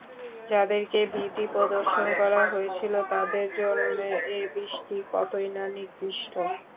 যাদেরকে ভীতি প্রদর্শন করা হয়েছিল তাদের জন্যে এ বৃষ্টি কতই না নিকৃষ্ট!